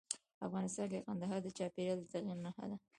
افغانستان کې کندهار د چاپېریال د تغیر نښه ده.